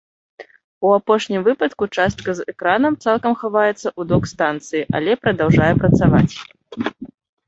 У апошнім выпадку частка з экранам цалкам хаваецца ў док-станцыі, але прадаўжае працаваць.